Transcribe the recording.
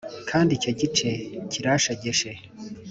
kandi icyo gice kiranshegeshe